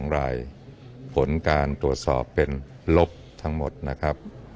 ๒รายผลการตรวจสอบเป็นลบทั้งหมดนะครับ